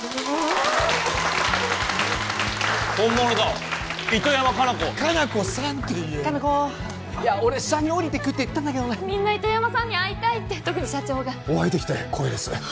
本物だ糸山果奈子果奈子さんって言え果奈子俺下におりてくって言ったんだけどみんな糸山さんに会いたいって特に社長がお会いできて光栄です